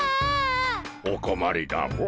おこまりだモ。